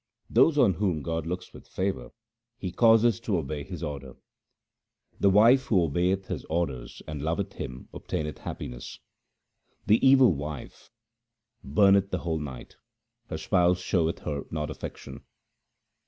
Those on whom God looks with favour He causes to obey His order :— The wife who obeyeth His orders and loveth Him ob taineth happiness. The evil wife burneth the whole night ; her spouse showeth her not affection.